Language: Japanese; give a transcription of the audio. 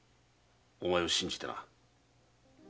お前を信じてな。